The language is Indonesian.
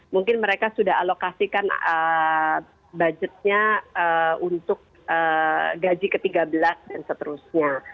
mungkin mereka sudah alokasikan budgetnya untuk gaji ke tiga belas dan seterusnya